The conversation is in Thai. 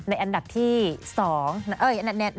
ในอันดับที่๔นั้นเองนะคะคุณ